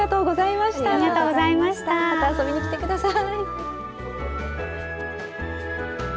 また遊びにきて下さい。